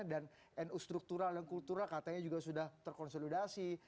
dan nu struktural dan kultural katanya juga sudah terkonsolidasi